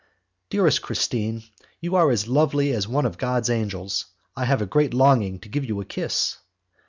"Dearest Christine, you are as lovely as one of God's angels. I have a great longing to give you a kiss."